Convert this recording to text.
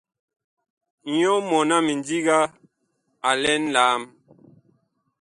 Nyɔ mɔɔn a mindiga a lɛ nlaam.